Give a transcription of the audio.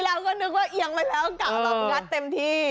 เราก็นึกว่าเอียงไปแล้วกะเรางัดเต็มที่